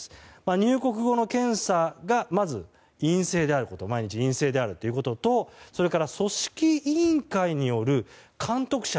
入国後の検査がまず毎日陰性であるということとそれから組織委員会による監督者。